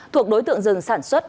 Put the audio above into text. thuộc đối tượng rừng sản xuất